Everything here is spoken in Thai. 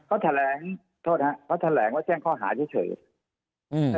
เขาแถลงโทษฮะเขาแถลงว่าแจ้งข้อหาเฉยเฉยอืม